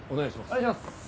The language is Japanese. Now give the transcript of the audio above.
お願いします。